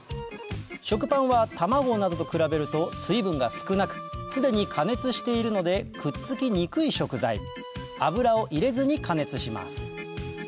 食パンは卵などと比べると水分が少なくすでに加熱しているのでくっつきにくい食材油を入れずに加熱します